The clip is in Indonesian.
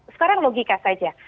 sekarang logika saja